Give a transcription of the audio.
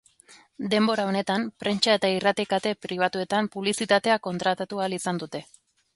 Denbora honetan prentsa eta irrati kate pribatuetan publizitatea kontratatu ahal izan dute.